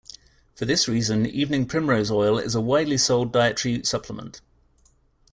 For this reason evening primrose oil is a widely sold dietary supplement.